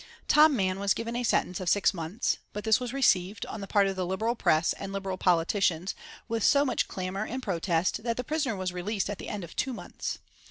Tom Mann was given a sentence of six months, but this was received, on the part of the Liberal Press and Liberal politicians, with so much clamour and protest that the prisoner was released at the end of two months.